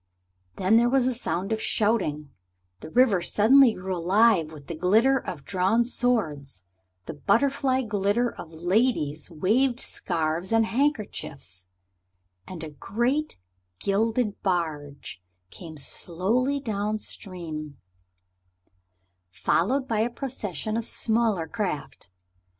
Then there was a sound of shouting, the river suddenly grew alive with the glitter of drawn swords, the butterfly glitter of ladies waved scarves and handkerchiefs, and a great gilded barge came slowly down stream, followed by a procession of smaller craft.